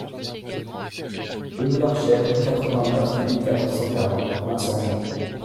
Rue de l'Archèvre, quatre-vingt-neuf mille quatre cent quarante Massangis